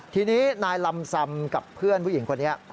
ทีนี้นายลำซำกับเพื่อนผู้หญิงคนนี้